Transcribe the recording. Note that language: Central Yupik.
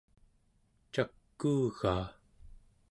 cakuugaa